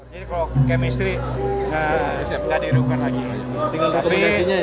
jadi kalau kemistri saya tidak diriukan lagi